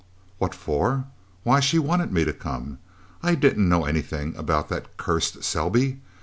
"What for? Why, she wanted me to come. I didn't know anything about that cursed Selby.